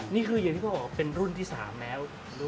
นี่คืออย่างที่เขาบอกเป็นรุ่นที่๓แล้ว